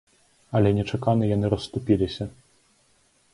Але нечакана яны расступіліся.